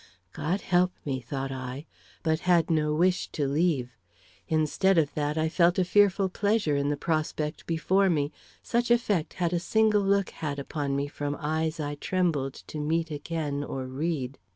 "God help me!" thought I; but had no wish to leave. Instead of that, I felt a fearful pleasure in the prospect before me such effect had a single look had upon me from eyes I trembled to meet again or read.